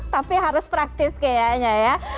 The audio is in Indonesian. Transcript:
tapi harus praktis kayaknya ya